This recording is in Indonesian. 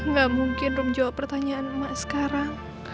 gak mungkin dong jawab pertanyaan emak sekarang